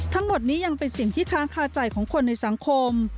ทั้งหมดนี้ยังเป็นสิ่งที่ค้างคาใจของคนในสังคม